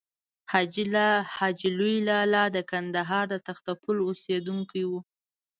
حاجي لوی لالا د کندهار د تختې پل اوسېدونکی و.